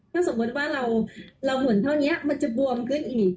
ถ้าสมมุติว่าเราเหมือนเท่านี้มันจะบวมขึ้นอีก